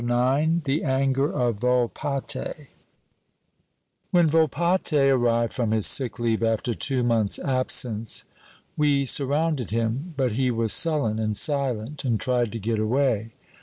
IX The Anger of Volpatte WHEN Volpatte arrived from his sick leave, after two months' absence, we surrounded him. But he was sullen and silent, and tried to get away.